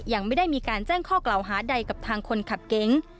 ยังไม่ได้มีการแจ้งข้อกล่าวหาใดกับทางคนขับเก๋ง